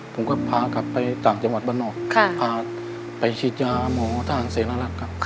ผมก็พากลับไปจากจังหวัดบนนอกพาไปชีดยามฯภาคทหารเศรษนนารักษณ์ก้าน